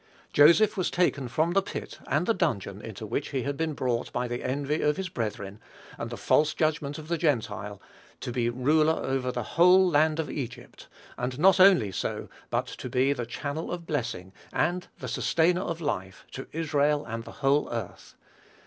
Joseph was taken from the pit and the dungeon, into which he had been brought by the envy of his brethren, and the false judgment of the Gentile, to be ruler over the whole land of Egypt; and not only so, but to be the channel of blessing, and the sustainer of life, to Israel and the whole earth.